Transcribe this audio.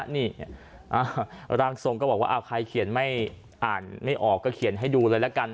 นี่ร่างทรงก็บอกว่าใครเขียนไม่อ่านไม่ออกก็เขียนให้ดูเลยละกัน